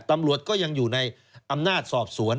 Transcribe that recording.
ตำรวจก็ยังอยู่ในอำนาจสอบสวน